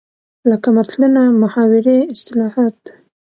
لکه متلونه، محاورې ،اصطلاحات